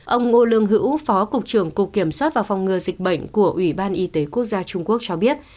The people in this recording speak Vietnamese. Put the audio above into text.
ông ngô lương hữu phó cục trưởng cục kiểm soát và phòng ngừa dịch bệnh của ủy ban y tế quốc gia trung quốc cho biết